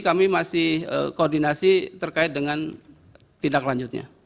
kami masih koordinasi terkait dengan tindaklanjutnya